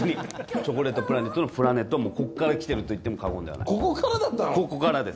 チョコレートのプラネットのプラネットはここから来ていると言っても過言ではない。